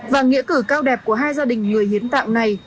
và nghĩa cử cao đẹp của hai gia đình người hiến tạng này